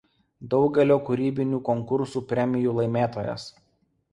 Daugelio kūrybinių konkursų premijų laimėtojas.